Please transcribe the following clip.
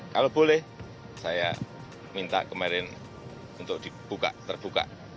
kalau boleh saya minta kemarin untuk dibuka terbuka